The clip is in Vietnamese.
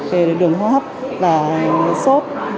về đường hô hấp và suốt